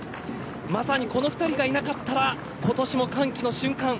まさにこの２人がいなかったら今年も歓喜の瞬間